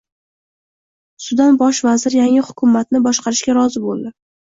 Sudan bosh vaziri yangi hukumatni boshqarishga rozi bo‘lding